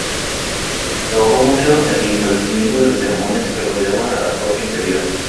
Trabajó mucho en el restablecimiento de las ceremonias que rodeaban a la Corte Imperial.